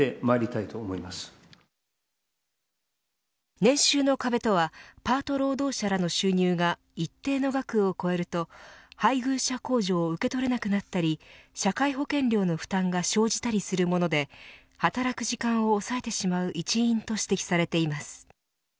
年収の壁とはパート労働者らの収入が一定の額を超えると配偶者控除を受け取れなくなったり社会保険料の負担が生じたりするもので働く時間を抑えてしまう一因と指摘されています。